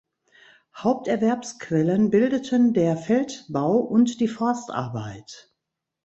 Haupterwerbsquellen bildeten der Feldbau und die Forstarbeit.